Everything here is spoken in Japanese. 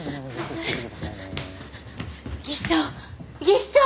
技師長。